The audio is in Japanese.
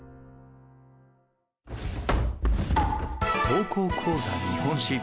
「高校講座日本史」。